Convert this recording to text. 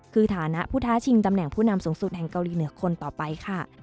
คือฐานะผู้ท้าชิงตำแหน่งผู้นำสูงสุดแห่งเกาหลีเหนือคนต่อไปค่ะ